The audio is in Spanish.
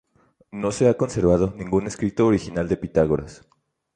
No se ha conservado ningún escrito original de Pitágoras.